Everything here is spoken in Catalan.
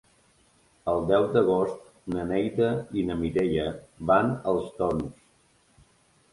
El deu d'agost na Neida i na Mireia van als Torms.